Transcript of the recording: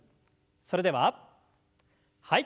それでははい。